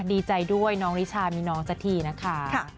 ดีใจด้วยน้องริชามีน้องสักทีนะคะ